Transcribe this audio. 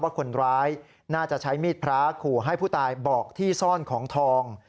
ว่าคนร้ายน่าจะใช้มีดพระขู่ให้ผู้ตายบอกที่ซ่อนของทอง